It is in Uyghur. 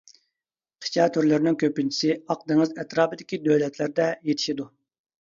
قىچا تۈرلىرىنىڭ كۆپىنچىسى ئاق دېڭىز ئەتراپىدىكى دۆلەتلەردە يېتىشىدۇ.